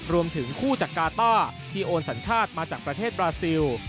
รวมถึงคู่จากกาต้าที่โอนสัญชาติมาจากประเทศบราซิล